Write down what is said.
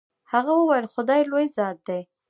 هغه وويل خداى لوى ذات دې.